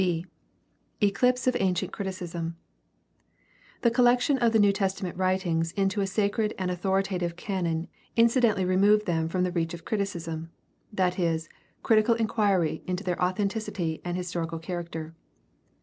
b) Eclipse of ancient criticism. — The collection of the New Testament writings into a sacred and authoritative canon incidentally removed them from the reach of criticism, that is, critical inquiry into their authenticity and historical char aracter.